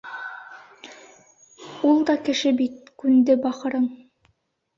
Ул да кеше бит, күнде бахырың.